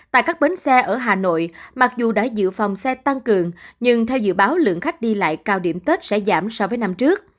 tại các bến xe ở hà nội mặc dù đã dự phòng xe tăng cường nhưng theo dự báo lượng khách đi lại cao điểm tết sẽ giảm so với năm trước